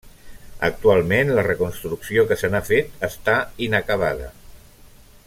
Actualment, la reconstrucció que se n'ha fet està inacabada.